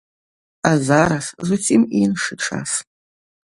А зараз зусім іншы час.